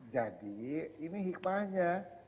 jadi ini hikmahnya